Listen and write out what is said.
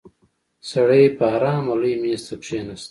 سړی په آرامه لوی مېز ته کېناست.